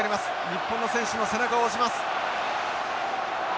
日本の選手の背中を押します。